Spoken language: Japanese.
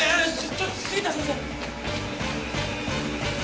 ちょっと杉田先生。